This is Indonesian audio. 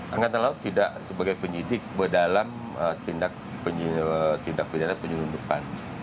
angkatan laut tidak sebagai penyidik berdalam tindak penyelundupan